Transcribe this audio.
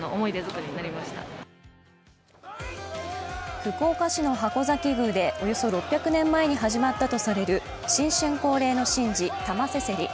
福岡市の筥崎宮でおよそ６００年前に始まったとされる新春恒例の神事、玉せせり。